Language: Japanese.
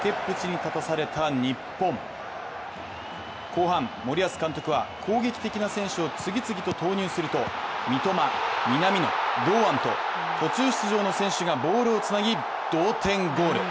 後半、森保監督は攻撃的な選手を次々と投入すると三笘、南野、堂安と途中出場の選手がボールをつなぎ同点ゴール。